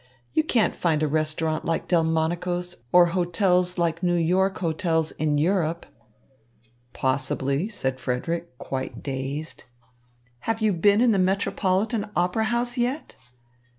You can't find a restaurant like Delmonico's or hotels like New York hotels in Europe." "Possibly," said Frederick, quite dazed. "Have you been in the Metropolitan Opera House yet?"